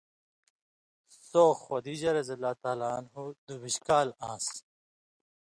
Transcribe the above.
سو وخ خدیجہرض دُوبیۡش کالیۡ آن٘سیۡ